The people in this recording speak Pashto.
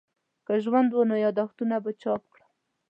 که ژوند وو نو یادښتونه به چاپ کړم.